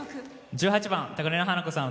１８番「高嶺の花子さん」